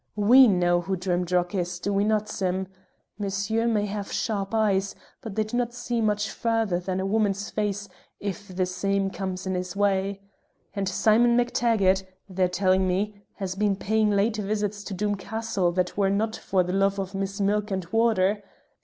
We know who Drimdarroch is, do we not, Sim? Monsher may have sharp eyes, but they do not see much further than a woman's face if the same comes in his way. And Simon MacTaggart (they're telling me) has been paying late visits to Doom Castle that were not for the love of Miss Milk and Water.